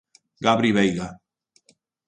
Gabri Veiga.